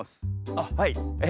あっはいえ